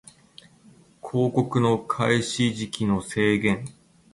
広告の開始時期の制限